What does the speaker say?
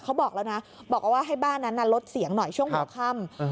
เขาบอกแล้วนะบอกว่าให้บ้านนั้นลดเสียงหน่อยช่วงหัวค่ำ